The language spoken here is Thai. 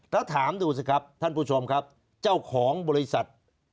แล้วถามดูสิครับท่านผู้ชมครับเจ้าของบริษัท